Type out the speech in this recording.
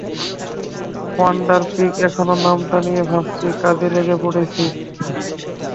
Wonder pig, এখনও নামটা নিয়ে ভাবছি, কাজে লেগে পড়ছি।